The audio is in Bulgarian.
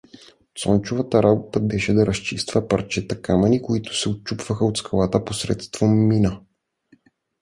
Цончовата работа беше да разчиства парчетата камъни, които се отчупваха от скалата посредством мина.